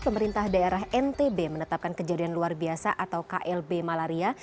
pemerintah daerah ntb menetapkan kejadian luar biasa atau klb malaria